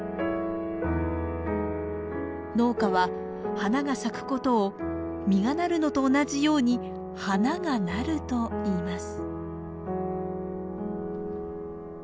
農家は花が咲くことを実がなるのと同じように花が「なる」と言います。